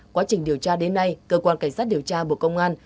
quá trình điều tra đến nay cơ quan cảnh sát điều tra bộ công an